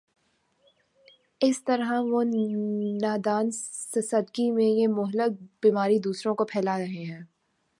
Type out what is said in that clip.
اس طرح وہ نادانستگی میں یہ مہلک بیماری دوسروں کو پھیلا رہے ہیں۔